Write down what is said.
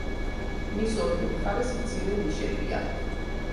მის ორივე მხარეს მცირე ნიშებია.